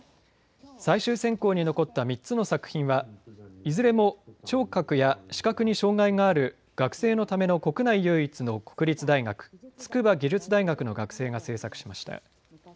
最終選考に残った３つの作品はいずれも聴覚や視覚に障害がある学生のための国内唯一の国立大学筑波技術大学の学生が制作しました。